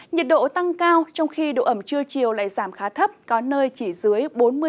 nhiệt độ tăng cao trong khi độ ẩm trưa chiều lại giảm khá thấp có nơi chỉ dưới bốn mươi